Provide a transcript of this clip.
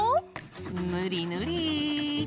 ぬりぬり！